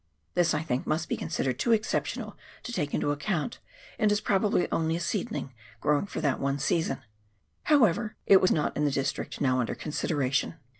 This, I think, must be considered too exceptional to take into account, and is probably only a seedling growing for that one season. However, it was not in the district now under consideration.